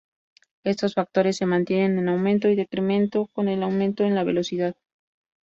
Estos factores se mantienen en aumento y decremento con el aumento en la velocidad.